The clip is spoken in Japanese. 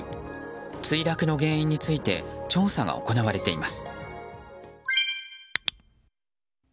墜落の原因について調査が行われています。